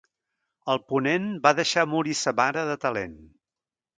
El ponent va deixar morir sa mare de talent.